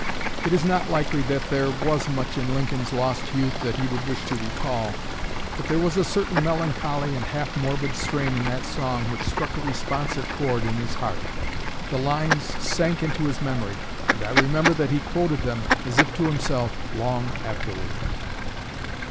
It is not likely that there was much in Lincoln's lost youth that he would wish to recall; but there was a certain melancholy and half morbid strain in that song which struck a responsive chord in his heart. The lines sank into his memory, and I remember that he quoted them, as if to himself, long afterward."